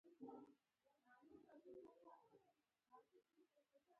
• ته د ژوند ښکلی انځور یې.